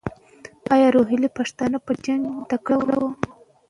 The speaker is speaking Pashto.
ایا روهیلې پښتانه په جنګ کې تکړه وو؟